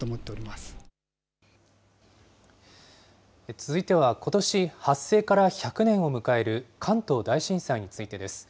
続いては、ことし発生から１００年を迎える関東大震災についてです。